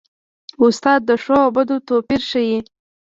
استاد د ښو او بدو توپیر ښيي.